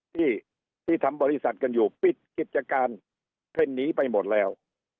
ที่ที่ทำบริษัทกันอยู่ปิดกิจการเพ่นหนีไปหมดแล้ว